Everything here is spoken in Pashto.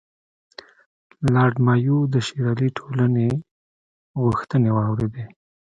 لارډ مایو د شېر علي ټولې غوښتنې واورېدلې.